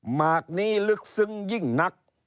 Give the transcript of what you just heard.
หมากนี้ลึกซึ้งยิ่งนัก